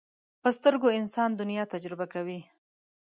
په سترګو انسان دنیا تجربه کوي